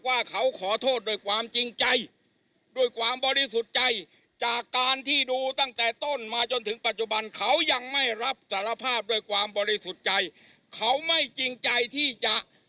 อ่าเดี๋ยวท่านลองดูบรรยากาศนะครับ